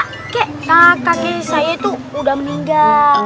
kakek kakek saya itu udah meninggal